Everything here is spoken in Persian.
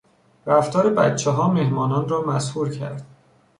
رفتار بچهها مهمانان را مسحور کرد.